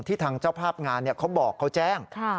ทางเจ้าภาพงานเขาบอกเขาแจ้ง